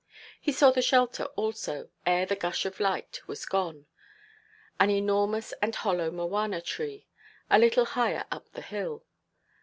He saw the shelter also, ere the gush of light was gone, an enormous and hollow mowana–tree, a little higher up the hill.